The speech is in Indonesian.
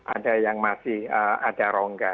ada yang masih ada rongga